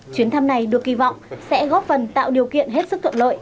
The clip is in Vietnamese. chuyến thăm này được kỳ vọng sẽ góp phần tạo điều kiện hết sức thuận lợi